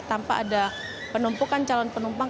tanpa ada penumpukan calon penumpang